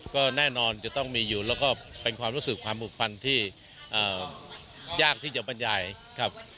ก็แน่นอนจะต้องมีอยู่แล้วก็เป็นความรู้สึกความผูกพันที่ยากที่จะบรรยายครับ